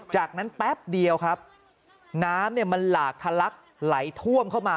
จากนั้นแป๊บเดียวครับน้ำเนี่ยมันหลากทะลักไหลท่วมเข้ามา